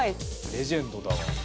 レジェンドだわ。